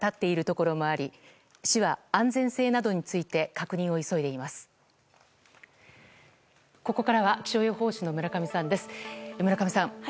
ここからは気象予報士の村上さんです。